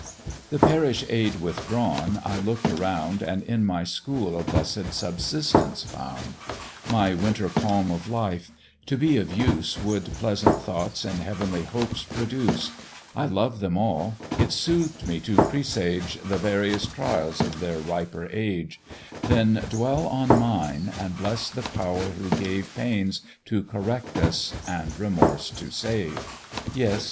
"The parish aid withdrawn, I look'd around, And in my school a bless'd subsistence found My winter calm of life: to be of use Would pleasant thoughts and heavenly hopes produce; I loved them all; it soothed me to presage The various trials of their riper age, Then dwell on mine, and bless the Power who gave Pains to correct us, and remorse to save. "Yes!